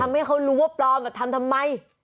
ให้เขารู้ว่าปลอมทำทำไม